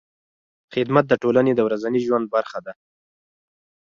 خدمت د ټولنې د ورځني ژوند برخه ده.